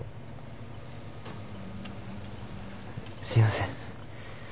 すいません。